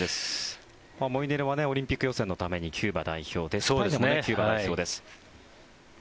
モイネロはオリンピック予選のためにキューバ代表デスパイネもキューバ代表です。